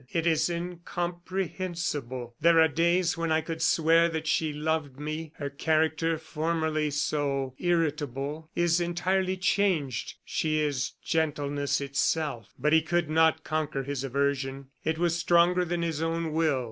"It is incomprehensible. There are days when I could swear that she loved me. Her character, formerly so irritable, is entirely changed; she is gentleness itself." But he could not conquer his aversion; it was stronger than his own will.